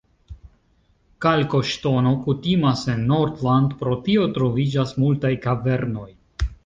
Kalkoŝtono kutimas en Nordland, pro tio troviĝas multaj kavernoj.